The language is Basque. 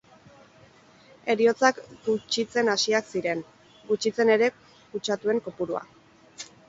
Heriotzak gutxitzen hasiak ziren, gutxitzen ere kutsatuen kopurua.